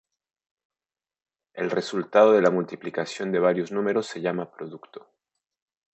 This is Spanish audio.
El resultado de la multiplicación de varios números se llama producto.